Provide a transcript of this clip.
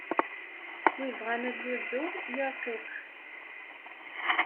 W ibɣan ad yuzur, yirqiq.